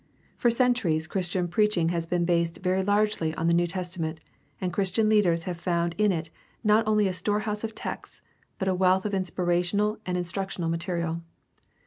For centuries Christian preaching has been based very largely on the New Testament, and Christian teachers have found in it not only a storehouse of texts, but a wealth of inspi rational and instructional material.